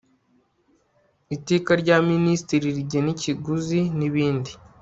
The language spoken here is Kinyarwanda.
iteka rya minisitiri rigena ikiguzi n ibindi